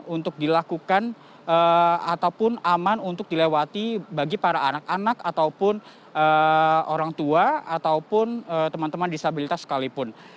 untuk dilakukan ataupun aman untuk dilewati bagi para anak anak ataupun orang tua ataupun teman teman disabilitas sekalipun